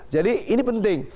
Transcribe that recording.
jadi ini penting